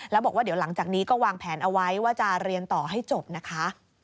แล้วบอกว่าเดี๋ยวหลังจากนี้ก็วางแผนเอาไว้ว่าจะเรียนต่อให้จบนะคะ